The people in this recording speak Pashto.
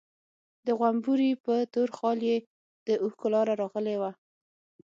د غومبري په تور خال يې د اوښکو لاره راغلې وه.